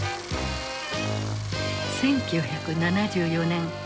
１９７４年。